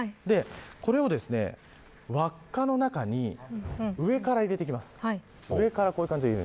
これを輪っかの中に上から入れていきます。